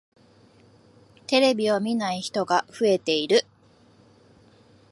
テレビを見ない人が増えている。